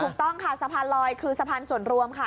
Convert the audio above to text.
ถูกต้องค่ะสะพานลอยคือสะพานส่วนรวมค่ะ